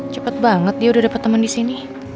cepet banget dia udah dapet temen disini